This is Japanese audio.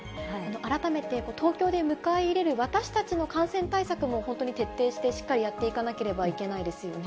改めて、東京で迎え入れる私たちの感染対策も、本当に徹底して、しっかりやっていかなければいけないですよね。